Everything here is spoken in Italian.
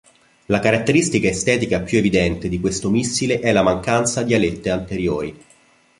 La caratteristica estetica più evidente di questo missile è la mancanza di alette anteriori.